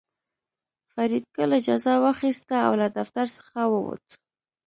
فریدګل اجازه واخیسته او له دفتر څخه ووت